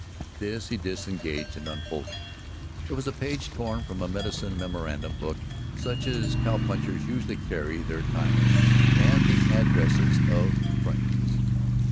This he disengaged and unfolded. It was a page torn from a medicine memorandum book such as cow punchers usually carry their time in, and the addresses of friends.